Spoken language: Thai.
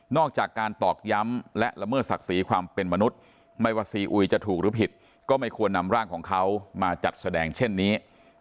อกจากการตอกย้ำและละเมิดศักดิ์ศรีความเป็นมนุษย์ไม่ว่าซีอุยจะถูกหรือผิดก็ไม่ควรนำร่างของเขามาจัดแสดงเช่นนี้